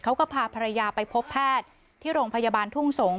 พาภรรยาไปพบแพทย์ที่โรงพยาบาลทุ่งสงศ